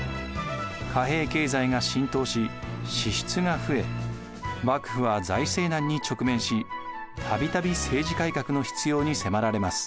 貨幣経済が浸透し支出が増え幕府は財政難に直面したびたび政治改革の必要に迫られます。